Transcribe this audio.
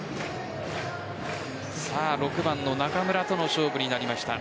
６番の中村との勝負になりました。